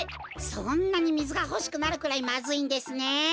そんなにみずがほしくなるくらいまずいんですね？